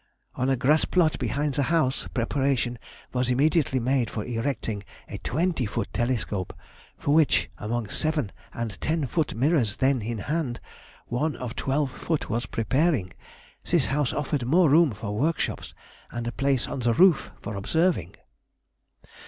On a grass plot behind the house preparation was immediately made for erecting a twenty foot telescope, for which, among seven and ten foot mirrors then in hand, one of twelve foot was preparing; this house offered more room for workshops, and a place on the roof for observing.